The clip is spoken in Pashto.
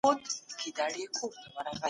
د ذمي خونديتوب د دولت مسؤليت دی.